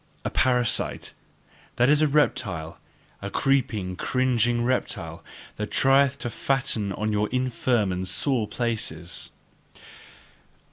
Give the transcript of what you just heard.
A parasite: that is a reptile, a creeping, cringing reptile, that trieth to fatten on your infirm and sore places.